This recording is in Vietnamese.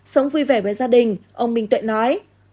sống vui vẻ với gia đình ông minh tuệ nói